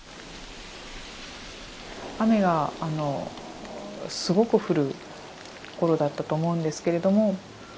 雨がすごく降る頃だったと思うんですけれども。